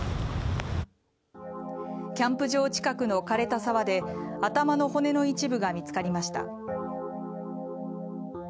キャンプ場近くの枯れた沢で頭の骨の一部が見つかりました。